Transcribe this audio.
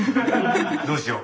どうしよう。